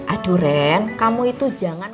aduh ren kamu itu jangan